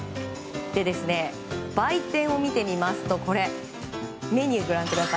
売店を見てみますとメニューをご覧ください。